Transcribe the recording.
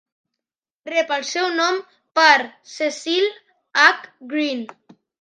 Rep el seu nom per Cecil H. Green.